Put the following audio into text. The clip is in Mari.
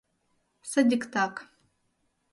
«Садиктак...